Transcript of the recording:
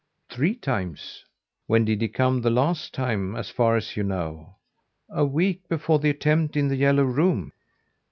"Three times." "When did he come the last time, as far as you know?" "A week before the attempt in "The Yellow Room"."